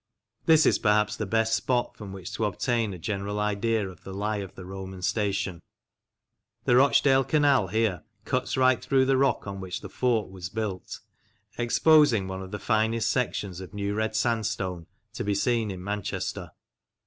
This is perhaps the best spot from which to obtain a general idea of the lie of the Roman station. The Rochdale Canal here cuts right through the rock on which the fort was built, exposing one of the finest sections of New Red Sandstone to be seen in Manchester.